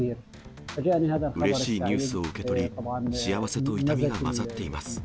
うれしいニュースを受け取り、幸せと痛みが混ざっています。